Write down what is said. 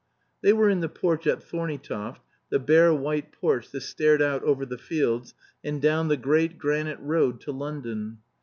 They were in the porch at Thorneytoft, the bare white porch that stared out over the fields, and down the great granite road to London.